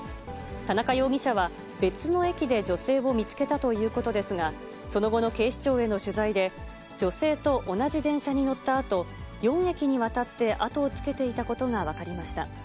田中容疑者は、別の駅で女性を見つけたということですが、その後の警視庁への取材で、女性と同じ電車に乗ったあと、４駅にわたって後をつけていたことが分かりました。